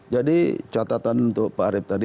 jadi catatan untuk pak arief tadi